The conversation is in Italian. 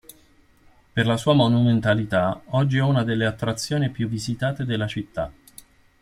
Per la sua monumentalità, oggi è una delle attrazioni più visitate della città.